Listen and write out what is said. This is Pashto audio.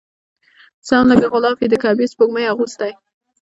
سم لکه غلاف وي د کعبې سپوږمۍ اغوستی